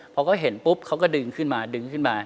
พอเขาเห็นปุ๊บเขาก็ดึงขึ้นมาดึงขึ้นมา